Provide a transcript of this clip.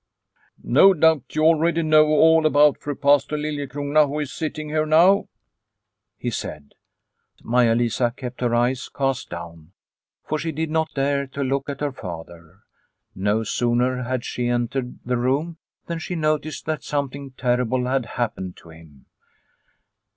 " No doubt you already know all about Fru Pastor Lilie crona who is sitting here now ?" he said. Maia Lisa kept her eyes cast down, for she did not dare to look at her father. No sooner had she entered the room than she noticed that something terrible had happened to him.